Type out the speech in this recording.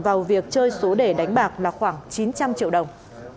vào việc chơi số đề đánh bạc là khoảng chín trăm linh triệu đồng